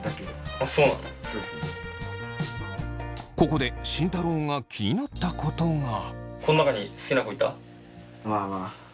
ここで慎太郎が気になったことが。